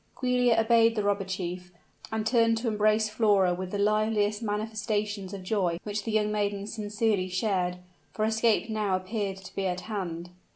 Giulia obeyed the robber chief, and turned to embrace Flora with the liveliest manifestations of joy, which the young maiden sincerely shared for escape now appeared to be at hand.